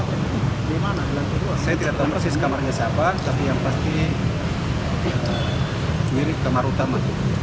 saya tidak tahu persis kamarnya siapa tapi yang pasti mirip kamar utama